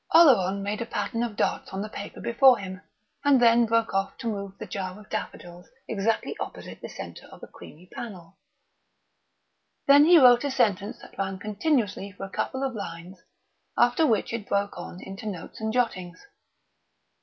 Oleron made a pattern of dots on the paper before him, and then broke off to move the jar of daffodils exactly opposite the centre of a creamy panel. Then he wrote a sentence that ran continuously for a couple of lines, after which it broke on into notes and jottings.